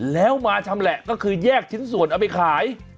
แล้วมาชำแหละก็คือแยกชิ้นส่วนเอาไปขาย